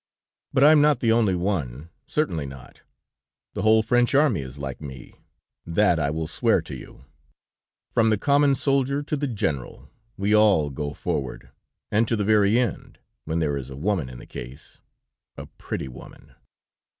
"But I am not the only one, certainly not; the whole French army is like me, that I will swear to you. From the common soldier to the general, we all go forward, and to the very end, when there is a woman in the case, a pretty woman.